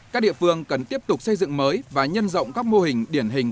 các địa phương cần tiếp tục xây dựng mới và nhân rộng các mô hình điển hình